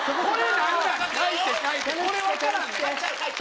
これ。